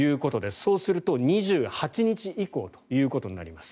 そうすると２８日以降ということになります。